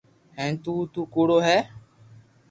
ھين تو تو ڪوڙو ھي